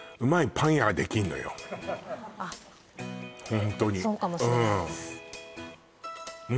ホントにそうかもしれないです